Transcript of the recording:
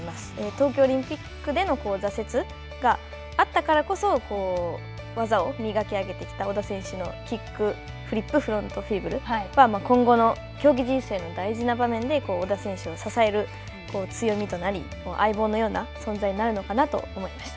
東京オリンピックでの挫折があったからこそ技を磨き上げてきた織田選手のキックフリップ・フロントフィーブルは、今後の競技人生の大事な場面で織田選手を支える強みとなり、相棒のような存在になるのかなと思いました。